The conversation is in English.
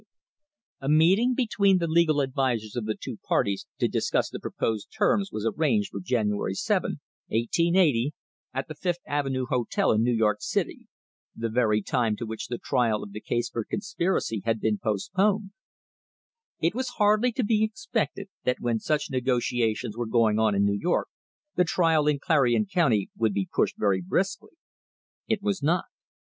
THE HISTORY OF THE STANDARD OIL COMPANY A meeting between the legal advisers of the two parties to discuss the proposed terms was arranged for January 7, 1880, at the Fifth Avenue Hotel in New York City — the very time to which the trial of the case for conspiracy had been post poned. It was hardly to be expected that when such negoti ations were going on in New York the trial in Clarion County would be pushed very briskly. It was not.